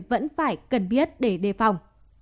vẫn phải cần biết để đề phòng